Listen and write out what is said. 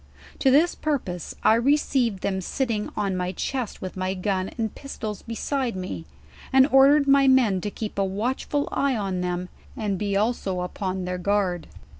To this pur pose, I received them sitting on my chest with my gun and pistols beside me, and ordered rny men to keep a watchful eye on them and be also upon thuir guard